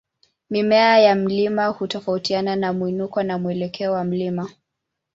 Mimea ya mlima hutofautiana na mwinuko na mwelekeo wa mlima.